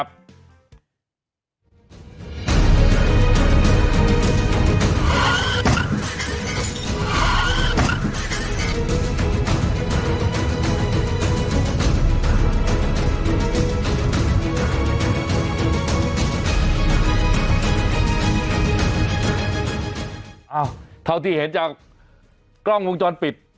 วันนี้จะเป็นวันนี้